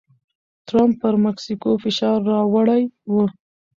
ټرمپ پر مکسیکو فشار راوړی و.